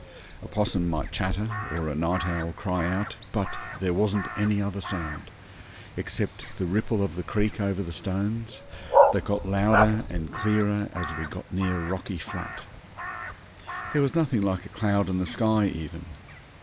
A 'possum might chatter or a night owl cry out, but there wasn't any other sound, except the ripple of the creek over the stones, that got louder and clearer as we got nearer Rocky Flat. There was nothing like a cloud in the sky even.